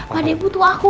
pak dia butuh aku